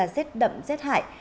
rết đậm rết hại